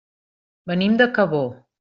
Venim de Cabó.